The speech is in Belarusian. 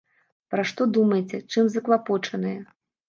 Пра што думаеце, чым заклапочаныя?